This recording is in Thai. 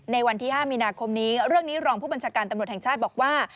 วันที่๕มีนาคมนี้เรื่องนี้รองผู้บัญชาการตำรวจแห่งชาติบอกว่า